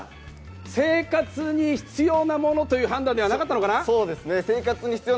生活に必要なものという判断ではなかったのかな？